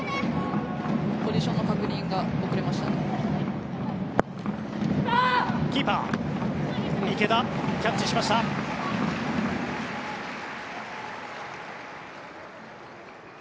ポジションの確認が遅れましたね。